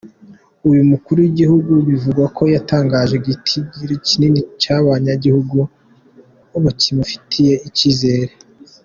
Uyu mukuru w'igihugu bivugwa ko yatakaje igitigiri kinini c'abanyagihugu bakimufitiye icizere.